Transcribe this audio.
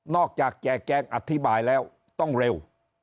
จากแจกแจงอธิบายแล้วต้องเร็ว